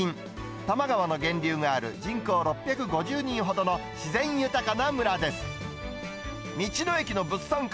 多摩川の源流がある人口６５０人ほどの自然豊かな村です。